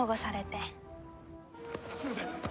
すいません。